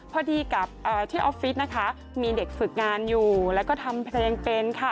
พอดีกับที่ออฟฟิศนะคะมีเด็กฝึกงานอยู่แล้วก็ทำเพลงเป็นค่ะ